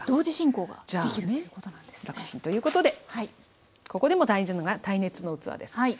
楽ちんということでここでも大事なのが耐熱の器です。